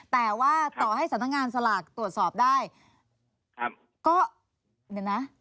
แต่ว่าต่อให้สนักงานสลากตรวจสอบได้ครับ